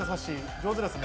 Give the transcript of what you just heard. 上手ですね。